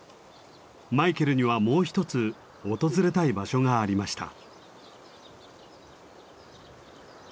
マイケルにはもう一つ訪れたい場所がありました。